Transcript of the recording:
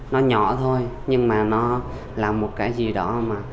nó nhỏ thôi nhưng mà nó là một cái gì đó mà